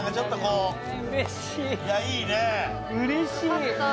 うれしい！